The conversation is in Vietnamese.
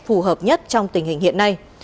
phù hợp nhất trong tình hình hiện nay